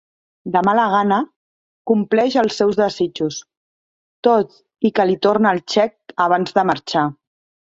De mala gana, compleix els seus desitjos, tot i que li torna el xec abans de marxar.